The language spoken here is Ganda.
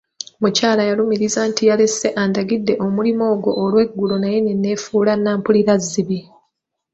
Mukyala yalumiriza nti yalese andagidde omulimu ogwo olweggulo naye ne neefuula nnampulirazzibi.